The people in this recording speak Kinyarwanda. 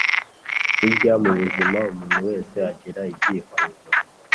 Burya mu buzima umuntu wese agira ibyifuzo